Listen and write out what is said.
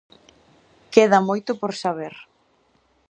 Queda moito por saber.